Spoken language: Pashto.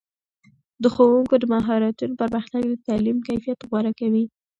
د ښوونکو د مهارتونو پرمختګ د تعلیم کیفیت غوره کوي.